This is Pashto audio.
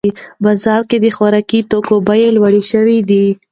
په بازار کې د خوراکي توکو بیې لوړې شوې دي.